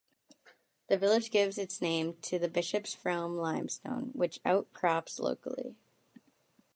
The village gives its name to the Bishop's Frome Limestone which outcrops locally.